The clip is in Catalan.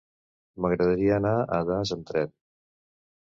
M'agradaria anar a Das amb tren.